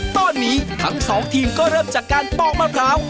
ตอนนี้ทั้งสองทีมก็เริ่มจากการปอกมะพร้าว